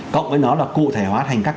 cộng với nó là cụ thể hóa thành các